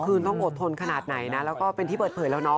คืนต้องอดทนขนาดไหนนะแล้วก็เป็นที่เปิดเผยแล้วเนาะ